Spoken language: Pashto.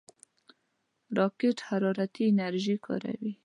راکټ حرارتي انرژي کاروي